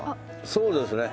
そうですね。